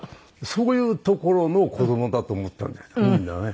そういうところの子どもだと思ってたみたいだね